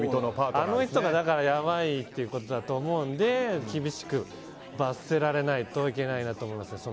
あの人がやばいということだと思うんで厳しく罰せられないといけないなと思います。